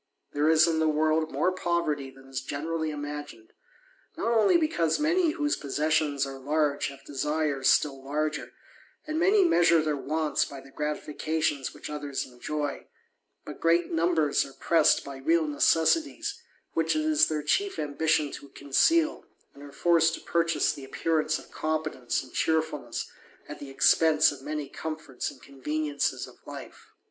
There is in the world mot poverty than is generally imagined ; not only because man whose possessions are large have desires still larger, an many measure their wants by the gratifications which othe: enjoy : but great numbers are pressed by real necessiti which it is their chief ambition to conceal, and are forced purchase the appearance of competence and cheerfulness the expence of many comforts and conveniencies of life.